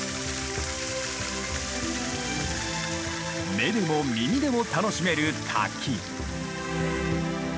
目でも耳でも楽しめる滝。